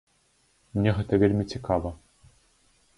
Мне гэта вельмі цікава.